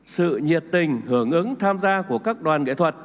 sự nhiệt tình hưởng ứng tham gia của các đoàn nghệ thuật